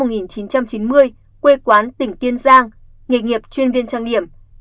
huỳnh thanh thuận sinh năm một nghìn chín trăm chín mươi quê quán tỉnh tiên giang nghề nghiệp chuyên viên trang điểm